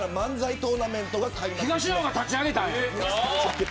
東野が立ち上げたんや。